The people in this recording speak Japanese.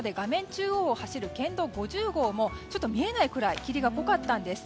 中央を走る県道５０号もちょっと見えないくらい霧が濃かったんです。